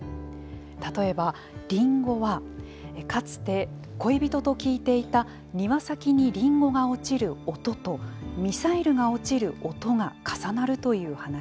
例えば、「林檎」はかつて恋人と聞いていた庭先に林檎が落ちる音とミサイルが落ちる音が重なるという話。